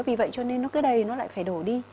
vì vậy cho nên nó cứ đầy nó lại phải đổ đi